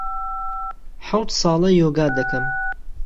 حهوت ساڵه یۆگا دهکهم